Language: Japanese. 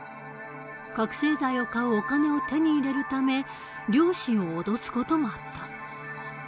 覚醒剤を買うお金を手に入れるため両親を脅す事もあった。